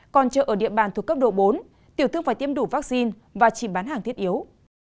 còn chợ ở địa bàn thuộc cấp độ bốn tiểu thương phải tiêm đủ vaccine và chỉ bán hàng thiết yếu